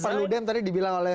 mas superluden tadi dibilang oleh